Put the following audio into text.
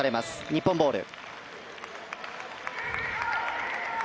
日本ボール。